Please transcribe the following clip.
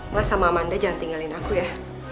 mas sama amanda jangan tinggalin aku ya